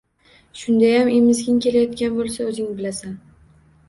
Shundayam emizging kelayotgan bo`lsa, o`zing bilasan